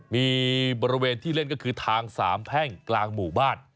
มีบริเวณที่เล่นก็คือทางสามแพ่งกลางหมู่บ้าน